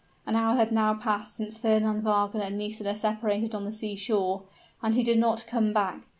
An hour had now passed since Fernand Wagner and Nisida separated on the seashore; and he did not come back.